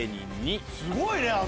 すごいね！